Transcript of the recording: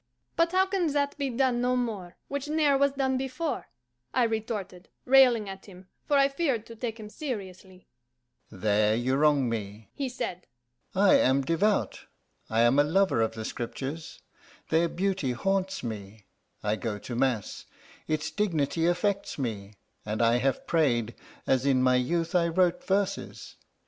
"But how can that be done no more, Which ne'er was done before?" I retorted, railing at him, for I feared to take him seriously. "There you wrong me," he said. "I am devout; I am a lover of the Scriptures their beauty haunts me; I go to mass its dignity affects me; and I have prayed, as in my youth I wrote verses.